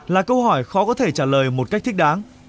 là câu hỏi khó có thể trả lời một cách thích đáng